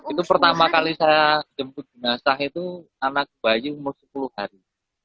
itu pertama kali saya jemput jenazah itu anak bayi umur sepuluh hari